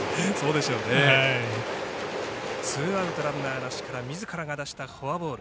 ツーアウトランナーなしからみずからが出したフォアボール。